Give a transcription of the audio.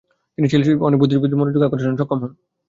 তিনি চিলির অনেক বুদ্ধিজীবীদের মনোযোগ আকর্ষণে সক্ষম হন।